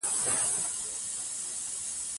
جواهرات د افغانانو د ګټورتیا برخه ده.